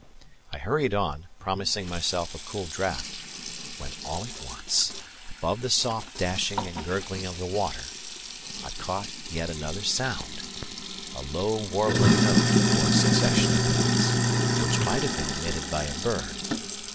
I hurried on, promising myself a cool draught, when all at once, above the soft dashing and gurgling of the water, I caught yet another sound a low, warbling note, or succession of notes, which might have been emitted by a bird.